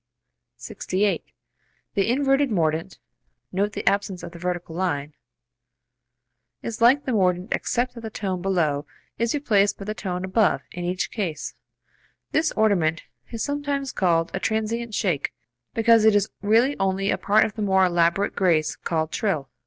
[Illustration: Fig. 43.] 68. The inverted mordent [inverted mordent symbol] (note the absence of the vertical line) is like the mordent except that the tone below is replaced by the tone above in each case. This ornament is sometimes called a "transient shake" because it is really only a part of the more elaborate grace called "trill."